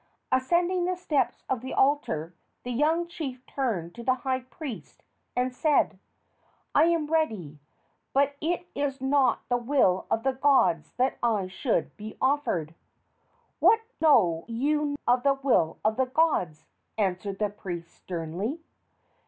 Ascending the steps of the altar, the young chief turned to the high priest and said: "I am ready, but it is not the will of the gods that I should be offered." "What know you of the will of the gods?" answered the priest, sternly.